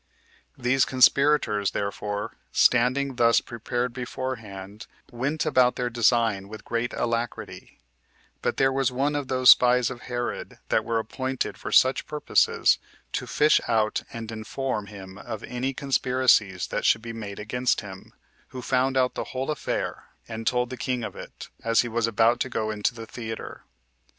These conspirators, therefore, standing thus prepared beforehand, went about their design with great alacrity; but there was one of those spies of Herod, that were appointed for such purposes, to fish out and inform him of any conspiracies that should be made against him, who found out the whole affair, and told the king of it, as he was about to go into the theater.